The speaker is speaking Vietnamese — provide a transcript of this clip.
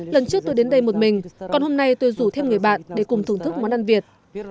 lần trước tôi đến đây một mình còn hôm nay tôi rủ thêm người bạn để cùng thưởng thức món ăn việt